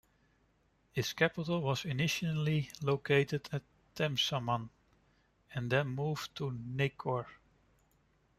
Its capital was initially located at Temsaman, and then moved to Nekor.